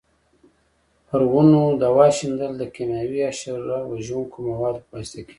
پر ونو دوا شیندل د کېمیاوي حشره وژونکو موادو په واسطه کېږي.